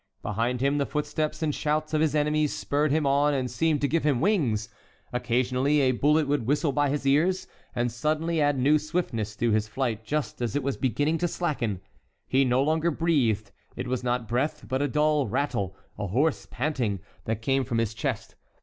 Behind him, the footsteps and shouts of his enemies spurred him on and seemed to give him wings. Occasionally a bullet would whistle by his ears and suddenly add new swiftness to his flight just as it was beginning to slacken. He no longer breathed; it was not breath, but a dull rattle, a hoarse panting, that came from his chest.